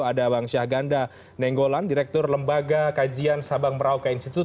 ada bang syahganda nenggolan direktur lembaga kajian sabang merauke institute